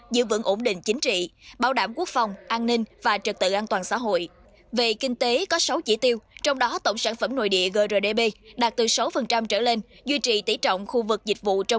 giữ vững ổn định chính trị bảo đảm quốc phòng an ninh và trật tự an toàn xã hội